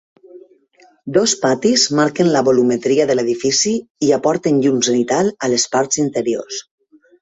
Dos patis marquen la volumetria de l'edifici i aporten llum zenital a les parts interiors.